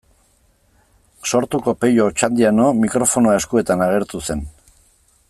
Sortuko Pello Otxandiano mikrofonoa eskuetan agertu zen.